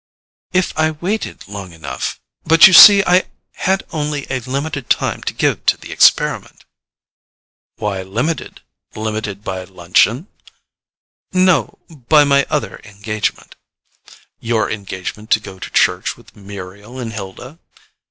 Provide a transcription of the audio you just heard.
"If I waited long enough—but you see I had only a limited time to give to the experiment." "Why limited? Limited by luncheon?" "No; by my other engagement." "Your engagement to go to church with Muriel and Hilda?"